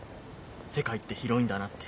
世界って広いんだなって